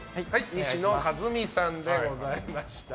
西野一海さんでございました。